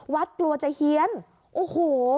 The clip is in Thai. วัดกลัวจะเฮียนโอ้โฮ